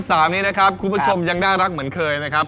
สามนี้นะครับคุณผู้ชมยังน่ารักเหมือนเคยนะครับ